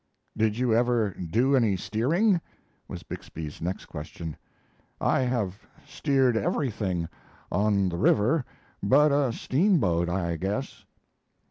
"Did you ever do any steering?" was Bixby's next question. "I have steered everything on the river but a steamboat, I guess."